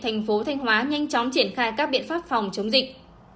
thành phố thanh hóa nhanh chóng triển khai các biện pháp phòng chống dịch